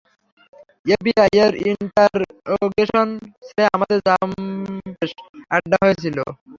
FBI এর interrogation সেলে আমাদের জম্পেশ আড্ডা হয়েছিল।